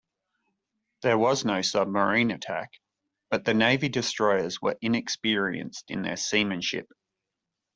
There was no submarine attack, but the Navy destroyers were inexperienced in their seamanship.